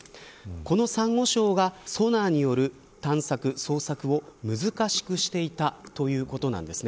このサンゴ礁がソナーによる探索、捜索を難しくしていたということなんです。